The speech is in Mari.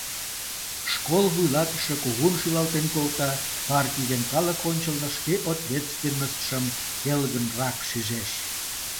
Школ вуйлатыше кугун шӱлалтен колта, партий ден калык ончылно шке ответственностьшым келгынрак шижеш.